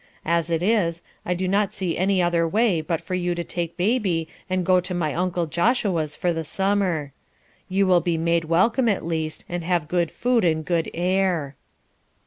As it is, I do not see any other way but for you to take baby and go to my uncle Joshua's for the summer. You will be made welcome, at least, and have good food and good air."